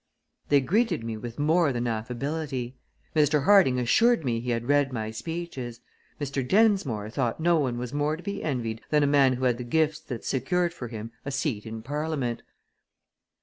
They greeted me with more than affability. Mr. Harding assured me he had read my speeches. Mr. Densmore thought no one was more to be envied than a man who had the gifts that secured for him a seat in Parliament.